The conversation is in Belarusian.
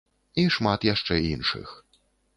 І шмат яшчэ іншых.